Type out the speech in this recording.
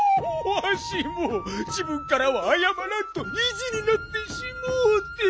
わしもじぶんからはあやまらんといじになってしもうて！